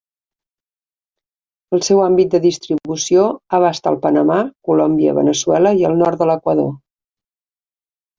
El seu àmbit de distribució abasta el Panamà, Colòmbia, Veneçuela i el nord de l'Equador.